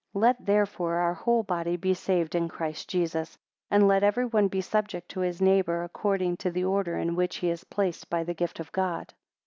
33 Let therefore our whole body by saved in Christ Jesus; and let everyone be subject to his neighbour, according to the order in which he is placed by the gift of God.